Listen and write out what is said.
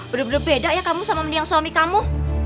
bener bener beda ya kamu sama meniang suami kamu